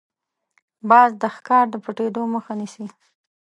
باز د ښکار د پټېدو مخه نیسي